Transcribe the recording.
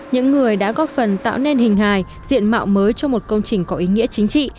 những người đã góp phần tạo nên hình hài diện mạo mới cho một công trình có ý nghĩa chính trị